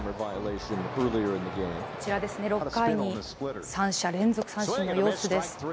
６回に三者連続三振の様子です。